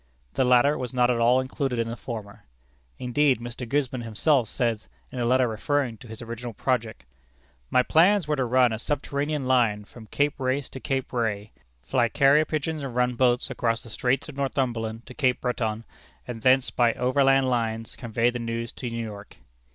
The latter was not at all included in the former. Indeed, Mr. Gisborne himself says, in a letter referring to his original project: "My plans were to run a subterranean line from Cape Race to Cape Ray, fly carrier pigeons and run boats across the Straits of Northumberland to Cape Breton, and thence by overland lines convey the news to New York."